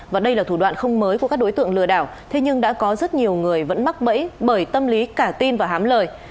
và đây là thủ đoạn không mới của các đối tượng lừa đảo thế nhưng đã có rất nhiều người vẫn mắc bẫy bởi tâm lý cả tin và hám lời